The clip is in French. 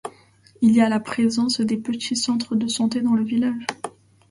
Il y a la présence des petits centres de santé dans le village.